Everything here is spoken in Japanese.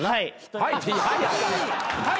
「はい！」